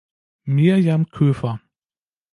Miriam Köfer